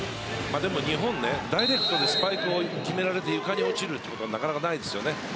日本、ダイレクトにスパイクを決められて床に落ちることがなかなかないですね。